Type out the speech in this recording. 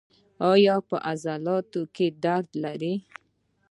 ایا په عضلاتو کې درد لرئ؟